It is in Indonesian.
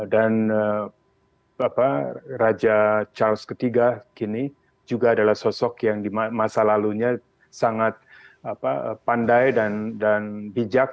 dan raja charles iii kini juga adalah sosok yang di masa lalunya sangat pandai dan bijak